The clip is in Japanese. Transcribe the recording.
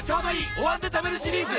「お椀で食べるシリーズ」